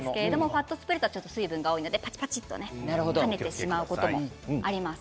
ファットスプレッドは水分が多いので跳ねてしまうことがあります。